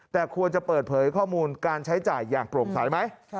แต่ควรจะเปิดเผยข้อมูลการใช้จ่ายอย่างโปร่งใสไหม